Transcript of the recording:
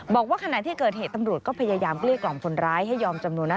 บอกว่าขณะที่เกิดเหตุตำรวจก็พยายามเกลี้กล่อมคนร้ายให้ยอมจำนวนนั้น